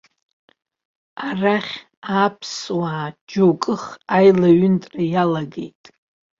Арахь аԥсуаа џьоукых аилаҩынтра иалагеит.